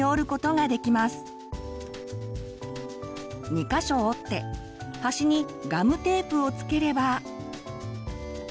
２か所折って端にガムテープを付ければ。